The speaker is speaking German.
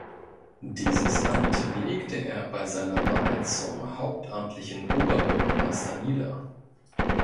Dieses Amt legte er bei seiner Wahl zum hauptamtlichen Oberbürgermeister nieder.